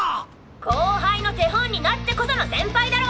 後輩の手本になってこその先輩だろ！